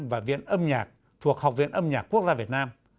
và viện âm nhạc thuộc học viện âm nhạc quốc gia việt nam